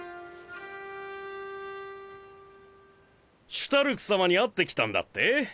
・シュタルク様に会ってきたんだって？